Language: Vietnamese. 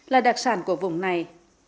là đặc sản của vùng này